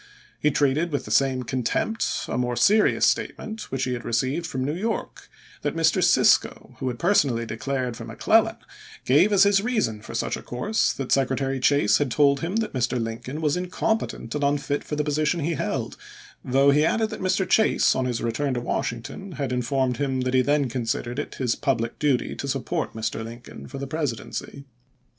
He treated with the same contempt a more serious statement which he received from New York that Mr. Cisco, who had personally declared for McClellan, gave as his reason for such a course that Secretary Chase had told him that Mr. Lincoln was incompetent and unfit for the position he held, though he added that Mr. Chase, on his return to Washington, had informed him that he then considered it his public duty to support Mr. Lincoln for the Presidency.